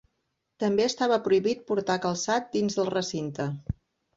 També estava prohibit portar calçar dins del recinte.